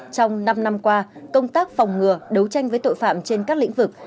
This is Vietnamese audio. trong năm năm qua công tác phòng ngừa đấu tranh với tội phạm trên các lĩnh vực